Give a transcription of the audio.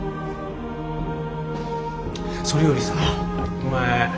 それよりさお前